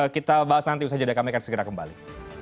kita bahas nanti usaha jeda kami akan segera kembali